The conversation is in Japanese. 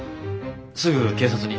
すぐ警察に。